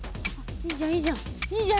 いいじゃんいいじゃん。